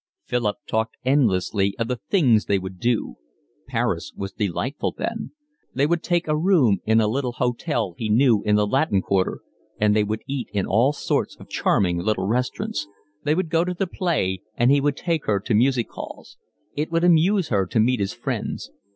Philip talked endlessly of the things they would do. Paris was delightful then. They would take a room in a little hotel he knew in the Latin Quarter, and they would eat in all sorts of charming little restaurants; they would go to the play, and he would take her to music halls. It would amuse her to meet his friends.